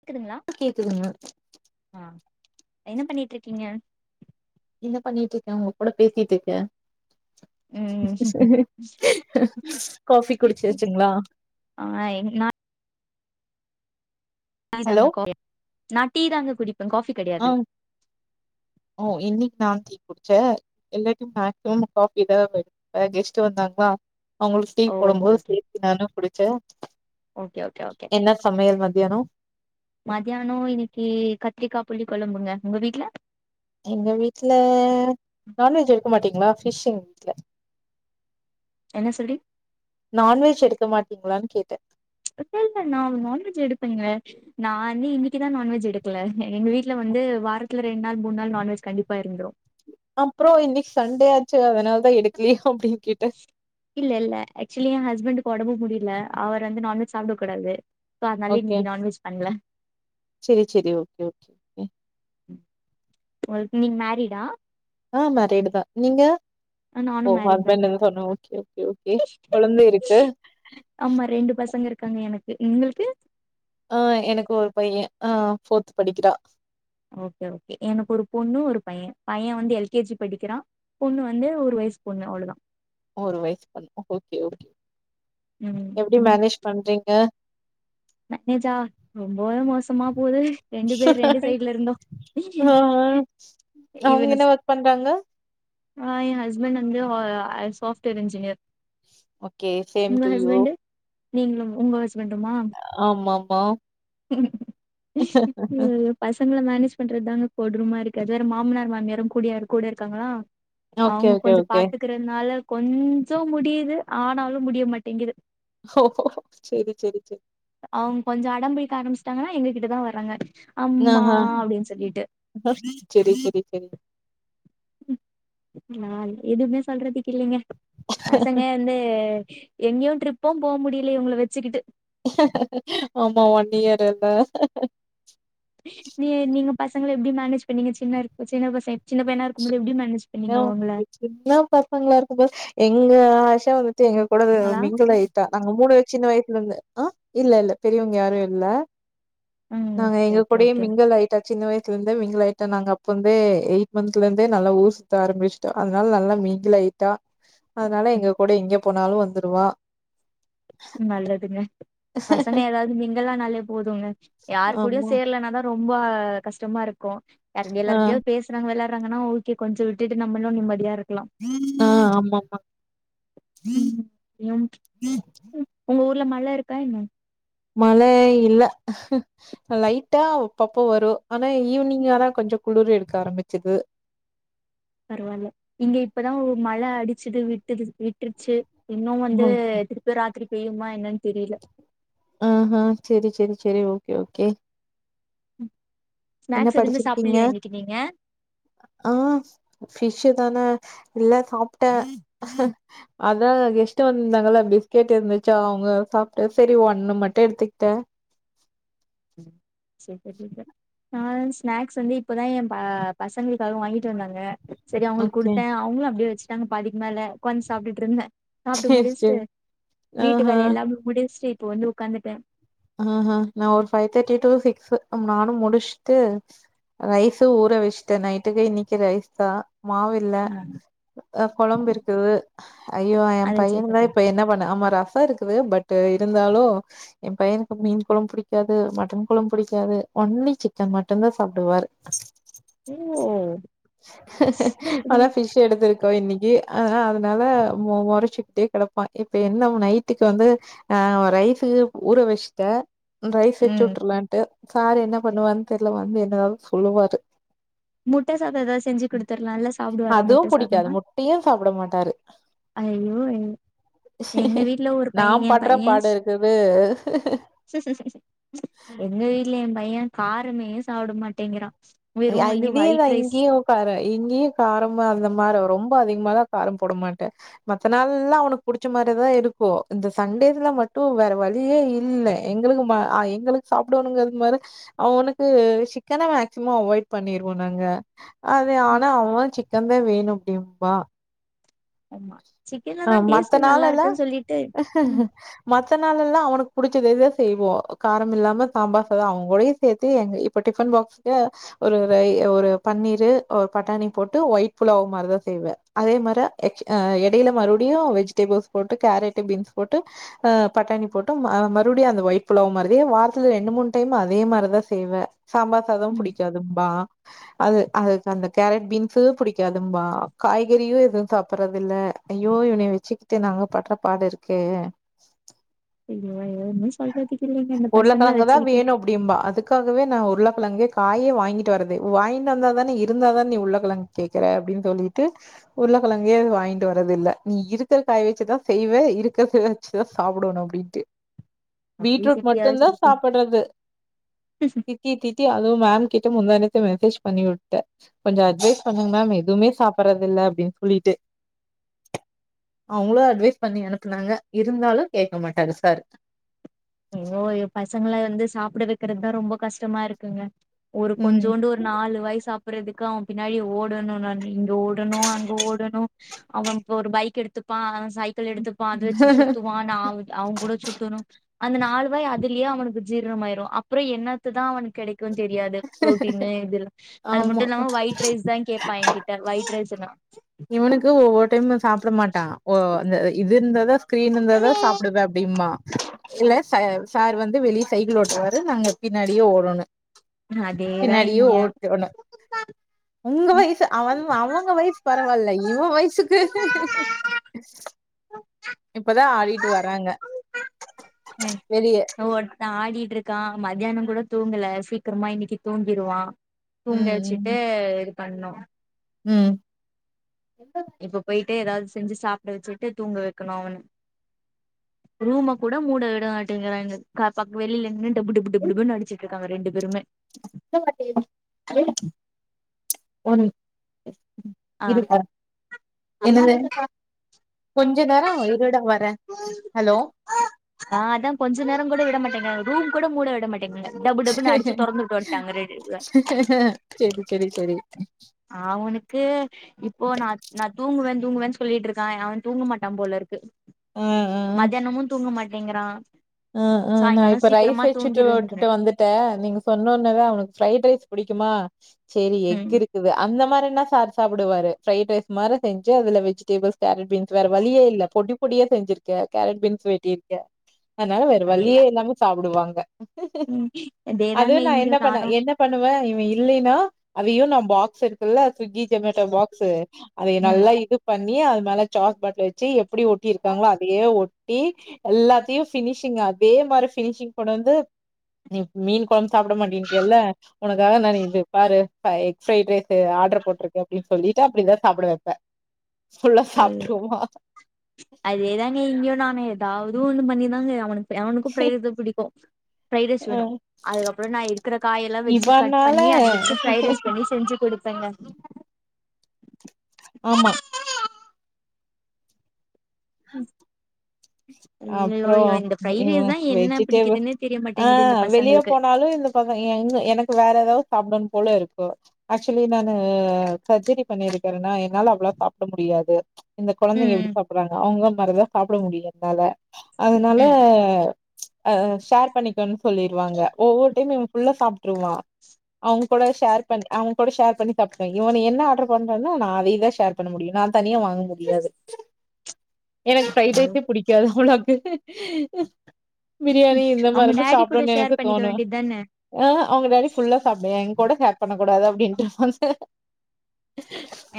கேக்குதுங்களா கேக்குதுங்க ஆ என்ன பண்ணிட்டு இருக்கீங்க என்ன பண்ணிட்டு இருக்கேன் உங்க கூட பேசிட்டு இருக்கேன் ம் [unintelligible] காஃபி குடிச்சிருச்சுங்களா ஆ ஆதாங்க [unintelligible] நான டி தாங்க குடிப்பேன் ஆஹ ஓ இன்னைக்கி நான தன [unintelligible] குடிச்ச எல்லாயும் மேக்சிமம் காபி தான் கெஸ்ட் வந்தாங்களா அவங்களுக்கு ஓகே டீபோடும்போது ஓகே சேரப்த்தி நானும் குடிச்சேன் ஓகே ஓகே ஓகே என்ன சமையல் மத்தியானம் குழம்புங்க உங்க வீட்டுல எங்க வீட்ல நான்வெஜ் எடுக்க மாட்டீங்களா பிஷிங்ல என்ன சொல்லி நான்வெஜ் எடுக்க மாட் இங்களான்னு கேட்டேன் ச்ஷ நான நான்வெஜ் எடுப்பீங்க நான வந்து இன்னைக்கிதான் நண்வெஜ் எடுக்கல எங்க வீட்டுல வந்து வாரத்துல ரெண்டு நாள் மூணு நாள் நான்வெஜ் கண்டிப்பா இருந்தோம் அப்பறம் இன்னைக்கி சண்டோச்சு அதனால தான் எடுக்கலியா அப்டின்னு கேட்டே இல்ல இல்ல ஆக்சுலி என் ஹஸ்பெண்ட் உடம்பு முடியல அவர் வந்து நான்வெஜ் சாப்டா கூடாது சோ அதனால ஓகே இன்னைக்கு நான்வெஜ் பண்ல செரி செரி ஓகே ஓகே உ ளுக்கு நீங்க மேரிடா ஆ மேரிடு தான் நீங்க நானு ஓ மேரிட் தாங்க ஹஸ்பண்ட் என்ன சொன்ன ஓகே ஓகே ஓகே கொழந்த இருக்கு எங்களுக்கு ஹா எனக்கு ஒரு பையன் ஹா போர்த் படிக்கிறா ஓகே ஓகே எனக்கு ஒரு பொண்ணு ஒரு பைய பைய வந்து எல் கே ஜி படிக்கிறா பொண்ணு வந்து ஒரு வயசு பொண்ணு அவ்ளதா ஒரு வயசு பொண் ஓகே ஓகே ம் எப்டி ம் மேனேஜ் பண்றீங்க மேனேஜா ரொம்பவே மோசமா போது ரெண்டு பேர் ரெண்டு சைட்ல இருந்தோ ஆ ஆ அவங்க இவனு என்ன ஒர்க் பண்றாங்க ஆ என் ஹஸ்பண்ட் வந்து ஆ அ software engineer okay same to you நீங்களு உங்க ஹஸ்பண்டுமா ஆமாம்பா இது பசங்கள மே னேஜ் பண்றதுதாங்க கொடூரமா இருக்கு அது வேற மாமனார் மாமியாரும் கூடயே கூட இருக்காங்களா ஓகே அவங்க ஓகே கொஞ்ச ஓகே பாத்துக்குறதுனால கொஞ்ச முடியுது ஆனாலும் முடிய மாட்டேங்குது செரி செரி செரி அவங்க கொஞ்ச அடம் புடிக்க ஆரம்பச்சிட்டாங்கன்னா எங்க கிட்டதா வராங்க அம்மா ஆஹா அப்டின்னு சொல்லிட்டு செரி செரி செரி நா எதுவுமே சொல்றதுக்கு இல்லைங்க பசங்க வந்து எங்கயு ட்ரிப்பும் போக முடியல இவங்கள வச்சுக்கிட்டு ஆமா ஒன் இயர் இந்த நீ நீங்க பசங்கள எப்டி மேனேஜ் பண்ணீங்க சின்ன சின்ன பச சின்ன பையனா இருக்கும்போது எப்டி மே [unintelligible] சின்ன பசங்களா இருக்கும்போது எங்க ஆஷா அது து எங்க கூட அது ங்களா மிங்கிளாயிட்டா நாங்க மூணு சின்ன வய சுல இருந்து ஆஹ் இல்ல இல்ல பெரியவங்க யாரும் இல்ல ம் நாங்க ஓகே எங்க ஓகே கூடயே ஓகே மிங்கிள் ஆய்ட்டா சின்ன வயசுல இருந்தே மிங்கிள் ஆயிட்டோ நாங்க அப்ப இருந்தே எயிட் மன்த்லேர்ந்தே நல்ல ஊர் சு த்த ஆரம்பிச்சுட்டோ அதனால நல்லா மிங்கிள் ஆயிட்டா அதனால ம் எங்க கூட இங்க போனாலு வந்துருவா நல்லதுங்க பசங்க யாராது மிங்கிள் ஆனாலே போதும்ங்க யாரு கூடயு ஆமா. சேரலனாதா ரொ ம்ப கஷ்டமா இருக் கு யார்கூட ஆ. எல்லார்கிட்டயு பேசறங்கல்ல றாங்கன்னா ஓகே கொஞ்ச விட்டுட்டு நம்மளு நிம்மதியா இருக் ஆ ஆமாம்மா ம் ம் உங்க ஊர்ல மழ இருக்கா என்ன மழ இல்ல லைட்டா அப்பப்போ வரு ஆனா ஈவினிங் ஆனா கொஞ்ச குளிர் எடுக்க ஆரம்பிச்சிருது பரவாயில்ல இங்க இப்பதான் ஓ மழ அடிச்சது விட்டு விட்டுருச்சு இன்னும் வந்து திருப்பு ராத்திரி பெய்யுமா எனன் ஆஹ்ஹ் சேரி சேரி சேரி ஓகே ஓகே ம் என்ன படிச்சிருக்கீங்க நீங்க ஆஹ் பிஷு தானே இல்ல சாப்பிட்டேன் அதான் கெஸ்ட் வந்திருந்தாங்கள பிஸ்கெட் இருந்துச்சா அவங்க சாப்பிட்ட சரி ஒ ஒண்ணு மட்டும் எடுத்துக்கிட்டேன் உம் சேரி சேரி சேரிங் சிஸ்டர் நா ஸ்நாக்ஸ் வந்து இப்பதான் என் ப பசங்களுக்காகவும் வாங்கிட்டு வந்தாங்க சேரி அவங்களுக்கு ஓகே கொடுத்தேன் அவங்களும் அப்படியே வச்சு டங்க பாதிக்குமேல உகாந் சாப்பிட்டு இருந்தன் சாப்ட்டு சேரி முடிச்சுட்டு சேரி வீட்டு ஆஹ வேலையெல்லாம் மு முடிச்சட்டு இப்போ வந்து உட்காந்துட்டேன் ஆஹ்ஹ் நா ஒரு ஃபைவ் தேர்ட்டி டு சிக்ஸ் நானும் முடிச்சுட்டு ரைஸ ஊற வச்சுட்டேன் நைட்டுக்கு இன்னைக்கு ரைஸ் தான் மாவில்ல அ குழம்பு இருக்குது ஐயோ அத என் வச்சு பையன்கு வேற சாப்டலா இப்ப என்ன பண்ண ஆமா ரஸ் ப்ப இருக்குது பட் இருந்தாலும் என் பையனுக் மீன் குளம் பிடிக்காது மட்டன் குளம் பிடிக்காது ஒன்லி சிக்கன் மட்டன் தான் சாப்பிடுவாரு ஓ அப்படி. அதான் ஃபிஷ் எடுத்திருக்கு இன்னைக்கு அ அ அதனால மு மு முறைச்சிக்கிட்டே கிடப்பான் இப்ப என்ன நைட்டுக்கு வந்து ஆஹ் ரைஸுக்கு ஊற வச்சு தா அங்க ஆஸ் வச்சு ம் விட்டுருலான்ன்ட்டு சார் என்ன பண்ணுவார்னு தெரியல வந் என்ன எதவாது சொல்லுவாரு முட்ட சாதா ஏதாவது செஞ்சு கொடுத்திடலா சாப்பிடுவாரா அதுவு முட்ட புடிக்காது சாதனா முட்டையு சாப்ட மாட்டாரு வீட்ல ஒரு நா பைய எ பட்ற பைய பாடு இருக்குது எங்க வீட்லலு பைய காரமே சாப்பிட மாட்டேங்கிறான் அ இதே தா இங்கேயு ஒக்கார இங்கேயு காரமா அந்த மாரி ரொம் ரொம்ப அதிகமால காரம் போட மாட்டேன் மத்த நாளெல்லா அவனுக்கு பிடிச்ச மாதிரிதான் இருக்கும் இந்த சண்டேஸ்ல மட்டும் வேற வழியே இல்ல எங்களுக்கு ம அ எங்களுக்கு சாப்பிடுங்க மாரி அவக்கு சிக்கனவ சமா அவாய்ட் பண்ணிடுவோம் நாங்க அதுவ ஆன அவன் சிக்கன்த வேணு அப்படிம்பா ஆமா சிக்கன்லதா அஹ் டேஸ்ட் மத்த நல்லா நாளெல்லா இருக்குன்னு சொல்லிட்டு ம் மத்த நாளெல்லா அவனுக்கு புடிச்சதே தா செய்வோம் காரமில்லாம சாம்பார் சாதம் அவ கூடவே சேர்த்து எங்க இப்போ டிபன் பாக்ஸுக ஒரு ரை ஒரு பன்னீர் ஒரு பட்டாணி போட்டு ஒயிட் புலாவ் மாதிரிதான் செய்வேன் அதே மாரி அஸ் அஹ் இடையில மறுபடியும் வெஜிடபிள்ஸ் போட்டு கேரட் பீன்ஸ் போட்டு அஹ் பட்டாணி போட்டு அஹ் மறுபடியும் அந்த ஒயிட் புலாவ் மாதிரியே வாரத்துல ரெண்டு மூணு டைம் அதே மாதிரிதான் செய்வேன் சாம்பார் சாதம் ம் புடிக்காதுன்பா அது அதுக்கு அந்த கேரட் பீன்ஸ்சே புடிக்காதுன்பா காய்கறியும் எதுவும் சாப் சாப்புறதில்ல ஐயோ இவன வச்சுக்கிட்டு நாங்க படுற பாடு இருக்கே ஐயோ ஒன்னும் சொல்றதுக்கு இல்லைங்க இந்த பசங்கள உருளைக்கிழங்கு தான் வச்சுக்கிட்டு வேணும் அப்படிம்பா அதுக்காகவே நான் உருளக்கெழங்கு காயே வாங்கிட்டு வறது வாங்கிட்டு வந்த தானே இருந்தா தானே நீ உருளக்கெழங்கு கேக்ற அப்படின்னு சொல்லிட்டு உருளக்கெழங்கு ங்கே வாங்கிட்டு வரது இல்ல நீ இருக்கிற காய்ய வச்சுதான் செய்வே இருக்கித வச்சுதான் சாப்டணும் அப்டின்டு அப்டி பீட்ரூட் சித்தியாவது மட்டும்தான் சொல்லிட்டீங்க சாப்புறது திட்டி திட்டி அதும் மேம் கிட முந்தாநேத்தே மெசேஜ் பண்ணி விட்டன் கொஞ்சம் அட்வைஸ் பண்ணுங்க மேம் எதுமே சாப்பறதில்ல அப்டின்னு சொல்லிட்டு அவங்களோ அட்வைஸ் பண்ணி அனுப்புனாங்க இருந்தாலும் கேக்க மாட்டாரு சார் சாப்புட வெக்கிறது தான் ரொம்ப கஷ்டமா இருக்குங்க ஒரு உம் கொஞ்சூண்டு ஒரு நாலு வாயி சாப் சாப்புறதுக்கு அவன் பின்னாடி ஓடணு நானு இங்க ஓடனும் அங்க ஓடனும் அவன் இப்போ ஒரு பைக் எடுத்துப்பான் சைக்கிள் எடுத்துப்பான் அத வச்சு சுத்துவான் நான் அவங்க கூட சுத்தணும் அந்த நாலு வாய் அதிலேயே அவனுக்கு ஜீரணமாயிரும் அப்புறம் என்னத்தா தான் அவனுக்கு கெடைக் தெரியாது புரோட்டீனு இது அது மட்டும் ஆமா இல்லாம ஒயிட் ரைஸ் தான் கேட்பா என்கிட்ட ஒயிட் ரைஸ்ல்லாம் இவனுக்கு ஒவ்வொரு டைம் சாப்ட மாட்டா ஓ அந்த இது இருந்தாதான் ஸ்கிரீன் இருந்தாதான் சாப்டுவேன் அப்படிம்பா இல்ல சார் வந்து வெளியே சைக்கிள் ஓட்டுவாரு நாங்க பின்னாடியே ஓடணும் அதேதா பின்னாடியே இங்கயு ஓட்டணும் உங்க வயசு அவன் அவங்க வயசு பரவால்ல இவன் வயசுக்கு இப்பதான் ஆடிட்டு வராங்க ம் வெளிய மத்தியானம் கூட தூங்கல சீக்கிரமா இன்னைக்கு தூங்கிருவான் ம் தூங்கவச்சிட்டு பண்ணோம் உம் இப்ப போயிட் டு ஏதாவது செஞ்சு சாப்பிட வச்சுட்டு தூங்க வக்கணும் அவன ரூம கூட மூட விடமாட்டிங்குறாங்க க ப வெளில நின்னு புடு புடு புடு அடிச்சுக்கிட்டு இருக்காங்க ரெண்டு பேருமே [unintelligible] ஆ இதுபார் அதுதான ஆஹ் கொஞ்ச நேரம் இருடா வரேன் ஹலோ அஹ் ரூம் கூட மூட விட மாட்டேங்துங்க செரி செரி செரி [inaudible] அவனுக்கு இப்போ நான் நான் தூங்குவன் தூங்குவன்னு சொல்லிட்டு இருக்கான் அவன் தூங்க மாட்டான் போல இருக்கு மத்தியனமு தூங்கமாட் டிங்கறா ஆஹ் ஆஹ் நான் இப்ப ரைஸ் வச்சுட்டு விட்டுட்டு தூங்கிருந்துக்கிறே வந்துட்டேன் நீங்க சொன்னோன தான் அவனுக்கு ஃரைட் ரைஸ் புடிக்குமா சேரி எஃக் ம் இருக்குது அந்த மாதிரின்ன சார் சாப்ப ப்புடுவாரு ஃரைட் ரைஸ் மாரி செஞ்சு அதுல வெஜிடேபிள்ஸ் கேரட் பீன்ஸ் வேற வழியே இல்ல பொடி பொடியா செஞ்சிருக்க கேரட் பீன்ஸ் வெட்டியிருகே அதனால வேற அதேதா வழியே இல்லாம சாப்பிடுவாங் ம் அது அதேதாங்க நான் என்ன இங்கயு பண்ணே நானு என்ன பண்ணுவேன் இல்லைன்னா அவையும் நான் பாக்ஸ் இருக்குல ஸ்விக்கி ஜொமேட்டோ பாக்ஸ்ஷு அத நல்லா இது பண்ணி மேல சாஸ் பாட்டல வச்சு எப்படி ஒட்டியிருக்காங்களோ அதையே ஒ ட்டி எல்லாத்தியும் பினிஷிங் அதே மாரி பினிஷிங் கொண்டு வந்து நீ மீன் குழம்பு சாப்பிட மாட்டின்டில உனக்காக நான் இது பாரு எஃக் ஃரைட் ரைஸ்ஷு ஆர்டர் போட்டிருக்கேன் அப்படின் சொல்லிட்டு அப்படிதான் சாப்பிட வைப்பேன் ஃபுல்லா சாப்டுருவான் அதே தானே இங்கோ நானேதான் அவதும் ஒந்து பண்ணிதாங்க அவனுக்கு நா அவனுக்கு ஃபிரைட் ரைஸ் தான் பிடிக்கும் ஃபிரைட் ரைஸ் வேணும் அதுக்கப்பறம் நா இருக்கிற காயெல்லாம் வச்சு கட் இவனால பண்ணி அத வச்சு ஃபிரைட் ரைஸ் பண்ணி செஞ்சு குடு சங்க ஆமா உம் அப்பறம் இவ ரைஸ் தா என்ன வெஜிடேபிள் பிடிக்குதுன்னே தெரிய மாட்டேங்குது இந்த ஆஹ் வெளியே பசங்களுக்கு போனாலும் இந்த ப எனக்கு வேற ஏதாவது சாப்பிடன்னனு போல இருக்கு ஆக்சுவலி நானு சர்ஜரி பண்ணிருக்கறேன்னா என்னால அவ்வளவு சாப்பிட முடியாது இந்த குழந்தைங்க ம் எப்படி சாப்பிடுறாங்க அவங்க மாரிதான் சாப்பிட முடியாது நால அதனால ம் ஆஹ் அஹ் ஷேர் பண்ணிக்கோம்னு சொல்லிருவாங்க ஒவ்வொரு டைம் இவன் புல்ல சாப்பிட்டுருவான் அவங்க கூட ஷேர் பண்ணி அவங் கூட ஷேர் பண்ணி சாப்பிடுன் இவனை என்ன ஆர்டர் பண்றனோ நான் அதைதான் ஷேர் பண்ண முடியும் நான் தனியா வாங்க முடியாது எனக்கு ஃபிரைட் ரைஸ் ம். க்கது உனக்கு பிரியாணி இந்த அவங்க மாரி எல்லாம் டாடி கூட சாப்பிடுமன்னு எனக்கு ஷேர் பண்ணிக்க தோணும் வேண்டியது தான ஆஹ் அவங்க டாடி ஃபுல்லா சாப்பிடுன் என் கூட ஹேர் பண்ணக்க கூடாது அப்படின்ட்டு வந்து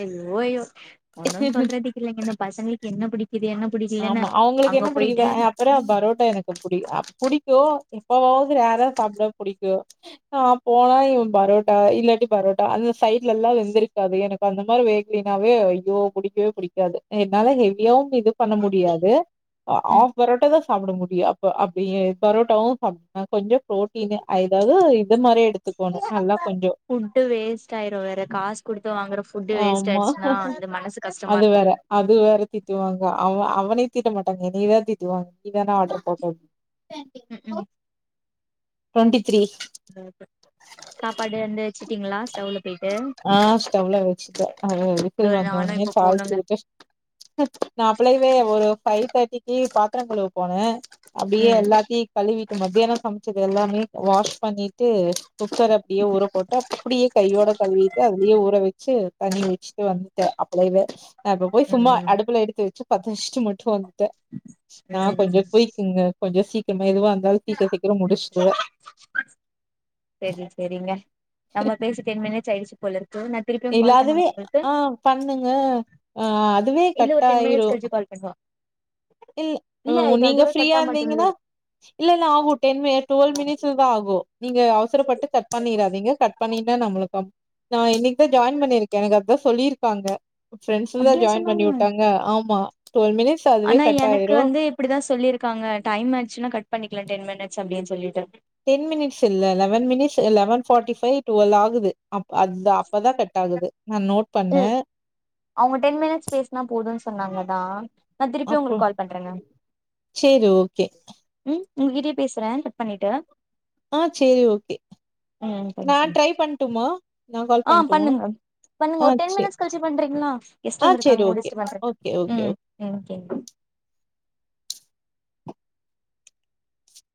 அய்யோ அய்யோ ஒன்னும் சொல்றதுக்கு இலங்க இந்த பசங்களுக்கு என்ன புடி ஆமா அவங்களுக்கு என்ன புடிக்குது அப்பறம் பரோட்டா எனக்கு புடிஅப் புடி போ எப்பயோவதுவேற சாப்பிட பிடிக்கும் ஆஹ் போனா இவன் பரோட்டா இல்லாட்டி பரோட்டா அந்த சைடுல எலாம் வெந்திருக்காது எனக்கு அந்த மாரி வேகலனாவே ஐயோ பிடிக்கவே பிடிக்காது என்னால ஹெவியாவும் இது பண்ண முடியாது ம் ஆப் பரோட்ட தான் சாப்பிட முடியும் அப்ப அப்டி பரோட்டாவும் சப்ப கொஞ்சம் பரோட் [unintelligible] அதாது இந்தமாரி எடுத்துக்கணும் நல்லா கொஞ்சம் ஃபுட்டு வேஸ்ட் ஆயிரு வேற காசு குடுத்து வாங்குற ஃபுட்டு வேஸ்ட் ஆமா ஆயிடுச்சுன்னா அது மனசு கஷ்டமா அது இருக்கு வேற அது வேற திட்டுவாங்க அவ அவனயும் தீட்ட மாட்டாங்க எனயதான் தீட்டுவாங்க நீ தானே ஆர்டர் போட்ட உஹம் உம் டொன்டி த்ரி சாப்பாடு வந்து வச்சுட்டீங்களா ஸ்டவ்ல போயிட்டு ஆஹ் ஸ்டவ்ல வச்சுட்டேன் அ இதோ விசில் நானு வந்தோடனே இப்போ பால் போனுங்க காச்சுக்கிட்டு நான்ப்பிள்ளவே ஒரு ஃபைவ் தேர்ட்டிக்கு பாத்திரம் கழுவ போனே அப்டியே ம் எல்லாத்தையும் கழுவிட் மத்தியானம் சமச்சது எல்லாமே வாஷ் பண்ணிட்டு குக்கர அப்டியே ஊர போட்டு அப்டியே கையோட இத அதிலயே ஊற வச்சு [unintelligible] தண்ணி ட்டு வந்துட்டேன் அப்பளவே நான் இப்ப போய் சும்மா ம் அடுப்புல எடுத்து வச்சு பத்தவச்சிட்டு மட்டும் வந்துட்டேன் நான் ம் கொஞ்சம் போய்குங்க கொஞ்சம் சீக் எதுவா இருந்தாலும் சீக்கிரம் சீக்கிரம் முடிச்சிருவே செரி செரிங்க நம்ம பேசி டென் மினிட்ஸ் ஆய்டுச்சு [unintelligible] இலாதுவே ஆஹ் பண்ணுங்க அஹ் அதுவே இல்ல கட்ட ஒரு டென் மினிட்ஸ் ஆயிரும் கழிச்சு கால் பண்ணவா இல்ல இது நீங்க அதுவே கட் ஃபிரீயா ஆக மாட்டேங்குது இருந்தீங்கன்னா இல்ல இல்ல ஆகும் டென் மினி டுவல் மினிட்ஸ் கூட ஆகும் நீங்க அவசரப்பட்டு கட் பண்ணிடாதீங்க கட் பண்ணிடா நம்ம நான் இன்னைக்கு தான் ஜாயின் பண்ணியிருக்கேன் எனக்கு அதுதான் சொல்லியிருக்காங்க ஃபிரண்ட்ஸ் தான் அப்டியா ஜாயின் பண்ணி சொன்னாங்க விட்டாங்க ஆமா டுவல் மினிட்ஸ் அதுவே ஆனா கட் எனக்கு ஆயிரு வந்து இப்டிதான் சொல்லிருக்காங்க டைம் ஆச்சுன்னா கட் பண்ணிக்கலாம் டென் மினிட் [unintelligible] அப்டின்னு சொல்லிட்டு டென் மினிட்ஸ் இல்ல eleven minutes eleven forty five twelve ஆகுது அப்ப அதுதா அப்பதான் கட் ஆகுது நா நோட் இ பண்ணே அவங்க டென் மினிட்ஸ் பேசுனா போதும் சொன்னாங்கதான் அப்போ செரி ஓகே உங்க கிட்டயே பேசுறேன் கட் பண்ணிட்டு ஆஹ் செரி ஓகே நான் ட்ரை பண்ட்டுமா நா கால் ஆஹ் பண்ட்டுமா பண்ணுங்க பண்ணுங்க ஆ ஒரு டென் சேரி மினிட்ஸ் கழிச்சி பண்றீங்ளா கெஸ்ட் ஆ சேரி வந்திருக்காங்க ஓகே முடிச்சிட்டு பண்ற ஓகே ஓகே ஓகே ம்ம் [inaudible]